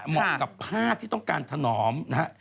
เหมาะกับผ้าที่ต้องการถนอมนะฮะ